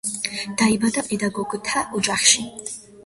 დაიბადა პედაგოგთა ოჯახში.